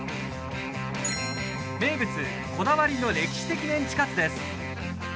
名物、こだわりの歴史的メンチカツです。